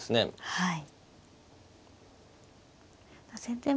はい。